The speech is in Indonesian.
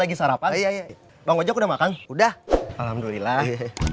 lagi sarapan ya bang udah makan udah alhamdulillah